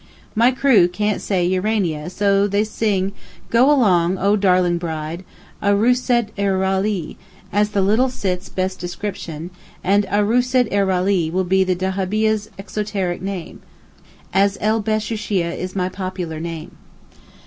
My crew can't say 'Urania' so they sing 'go along, oh darling bride' Arooset er ralee, as the little Sitt's best description, and 'Arooset er ralee' will be the dahabieh's exoteric name—as 'El Beshoosheeh, is my popular name.